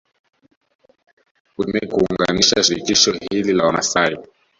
Htumika kuunganisha shirikisho hili la Wamaasai